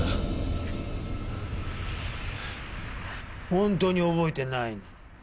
本当に覚えてないの？